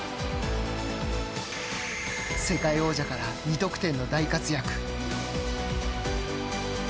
世界王者から、２得点の大活躍。